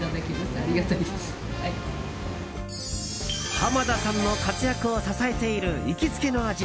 濱田さんの活躍を支えている行きつけの味。